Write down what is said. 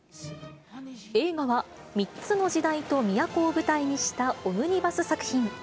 映画は、３つの時代と都を舞台にしたオムニバス作品。